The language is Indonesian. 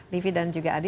livi dan juga adi